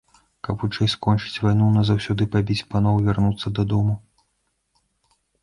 Каб хутчэй скончыць вайну, назаўсёды пабіць паноў і вярнуцца дадому.